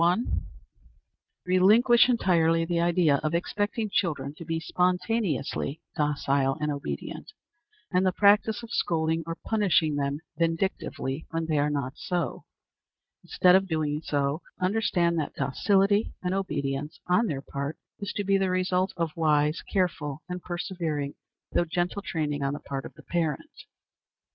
1. Relinquish entirely the idea of expecting children to be spontaneously docile and obedient, and the practice of scolding or punishing them vindictively when they are not so. Instead of so doing, understand that docility and obedience on their part is to be the result of wise, careful, and persevering, though gentle training on the part of the parent.